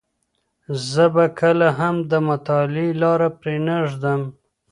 زه به کله هم د مطالعې لاره پرې نه ږدم.